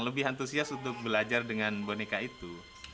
lebih antusias untuk belajar dengan boneka itu